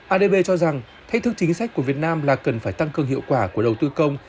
adb cho rằng thách thức chính sách của việt nam là cần phải tăng cường hiệu quả của đầu tư công